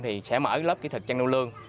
thì sẽ mở lớp kỹ thuật chăn nuôi lương